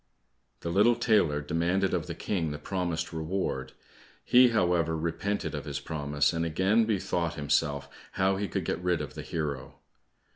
The little tailor demanded of the King the promised reward; he, however, repented of his promise, and again bethought himself how he could get rid of the hero.